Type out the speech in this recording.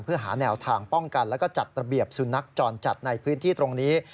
เพื่อหาแนวทางป้องกันแล้วก็จัดระเบียบสุนัขจรจัดในพื้นที่ตรงนี้